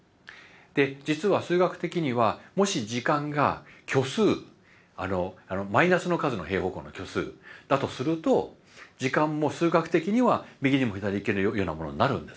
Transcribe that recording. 実は数学的にはもし時間が虚数マイナスの数の平方根の虚数だとすると時間も数学的には右にも左にも行けるようなものになるんです